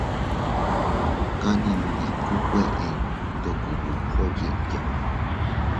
Kannindiku kueʼey ndoko burro yiʼya.